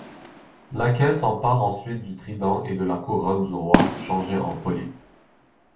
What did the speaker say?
Laquelle s'empare ensuite du trident et de la couronne du roi, changé en polype.